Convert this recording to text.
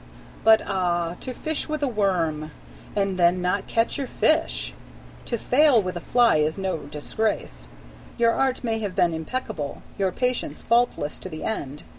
But ah, to fish with a worm, and then not catch your fish! To fail with a fly is no disgrace: your art may have been impeccable, your patience faultless to the end.